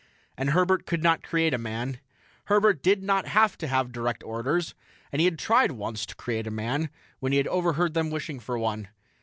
And Herbert could not create a man. Herbert did not have to have direct orders, and he had tried once to create a man when he had overheard them wishing for one.